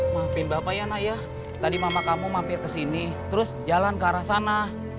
maafin bapak ya naya tadi mama kamu mampir kesini terus jalan ke arah sana